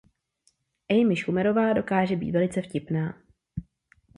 Amy Schumerová dokáže být velice vtipná.